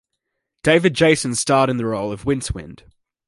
David Jason starred in the role of Rincewind.